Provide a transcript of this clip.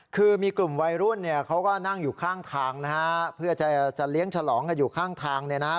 คือมีกลุ่มวัยรุ่นเนี่ยเขาก็นั่งอยู่ข้างทางนะฮะเพื่อจะเลี้ยงฉลองกันอยู่ข้างทางเนี่ยนะฮะ